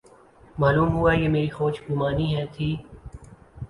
معلوم ہوا یہ میری خوش گمانی تھی۔